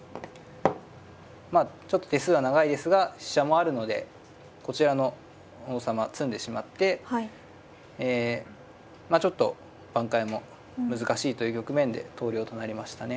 まあちょっと手数は長いですが飛車もあるのでこちらの王様詰んでしまってちょっと挽回も難しいという局面で投了となりましたね。